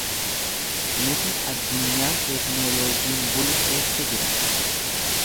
Nuti addunyaa teknooloojiin bulu keessa jirra.